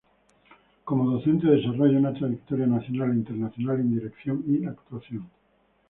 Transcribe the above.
Como docente desarrolla una trayectoria nacional e internacional en dirección y actuación.